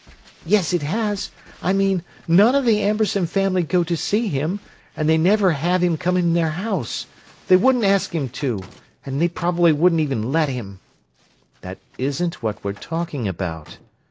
"Yes, it has! I mean: none of the Amberson family go to see him, and they never have him come in their house; they wouldn't ask him to, and they prob'ly wouldn't even let him." "That isn't what we're talking about."